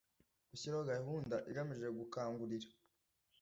gushyiraho gahunda igamije gukangurira